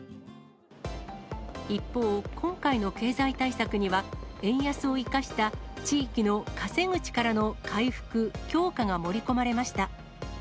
一方、今回の経済対策には、円安を生かした地域の稼ぐ力の回復・強化が盛り込まれました。